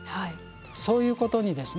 そういうことにですね